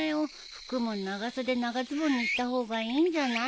服も長袖長ズボンにした方がいいんじゃない？